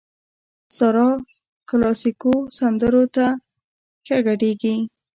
سارا کلاسيکو سندرو ته ښه ګډېږي.